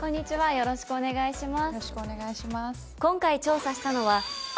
よろしくお願いします。